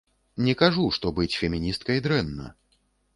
Не кажу, што быць феміністкай дрэнна.